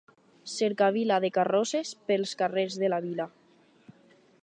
Cercavila de carrosses pels carrers de la vila.